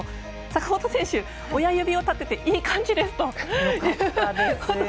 坂本選手、親指を立てていい感じですと。